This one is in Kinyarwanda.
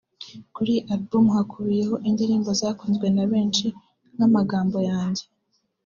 Kuri iyi album hakubiyeho indirimbo zakunzwe na benshi nka’Amagambo yanjye’